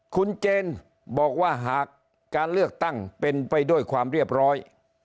คุณเจนบอกว่าหากการเลือกตั้งเป็นไปด้วยความเรียบร้อย